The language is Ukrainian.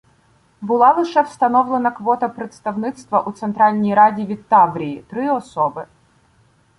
Була лише встановлена квота представництва у Центральній Раді від Таврії — три особи.